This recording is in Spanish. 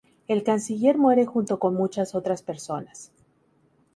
El Canciller muere junto con muchas otras personas.